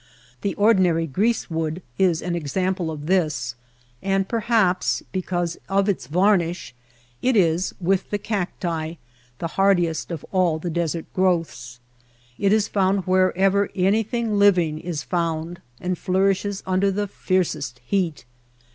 The ordinary greasewood is an ex ample of this ; and perhaps because of its var nish, it is, with the cacti, the hardiest of all the desert growths. It is found wherever anything living is found, and flourishes under the fiercest heat.